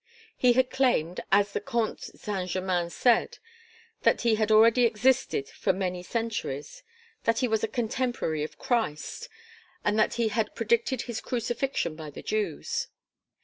He had claimed, as the Comte Saint German said, that he had already existed for many centuries; that he was a contemporary of Christ; and that he had predicted His crucifixion by the Jews.